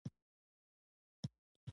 غریب د ښو ته سترګې لري